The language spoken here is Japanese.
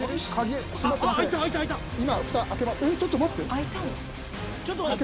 えっちょっと待って。